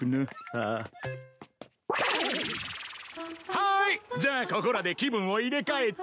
はいじゃあここらで気分を入れ替えて。